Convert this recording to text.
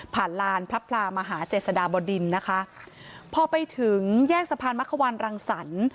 ลานพระพลามหาเจษฎาบดินนะคะพอไปถึงแยกสะพานมะควันรังสรรค์